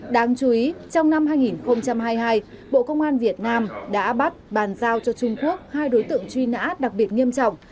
đáng chú ý trong năm hai nghìn hai mươi hai bộ công an việt nam đã bắt bàn giao cho trung quốc hai đối tượng truy nã đặc biệt nghiêm trọng